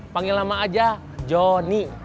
panggil nama aja johnny